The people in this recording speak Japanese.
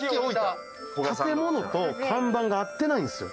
建物と看板が合ってないんですよ。